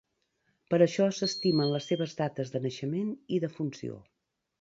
Per això s'estimen les seves dates de naixement i defunció.